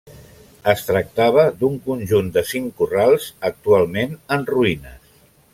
Es tractava d'un conjunt de cinc corrals, actualment en ruïnes.